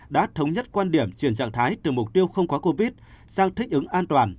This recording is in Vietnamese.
đã thống nhất quan điểm chuyển trạng thái từ mục tiêu không có covid một mươi chín sang thích ứng an toàn